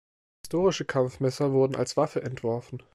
Historische Kampfmesser wurden als Waffe entworfen.